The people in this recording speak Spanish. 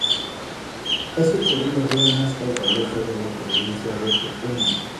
Es el segundo río más caudaloso de la provincia de Tucumán.